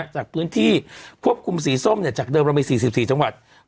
จากพื้นที่ควบคุมสีส้มจากเดิมเรามี๔๔จังหวัด